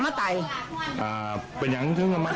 ผู้ตายก็นั่งไปนั่งมา